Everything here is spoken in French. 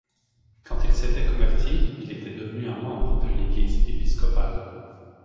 Quand il s'était converti, il était devenu un membre de l'Église épiscopale.